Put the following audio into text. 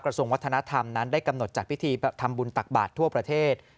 ส่วนวัฒนธรรมนั้นได้กำหนดจัดพิธีทำบุญตักบาททั่วประเทศ